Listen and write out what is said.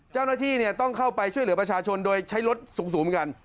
เจ้าหน้าที่ต้องเข้าไปช่วยเหลือประชาชนโดยใช้รถสูงเหมือนกัน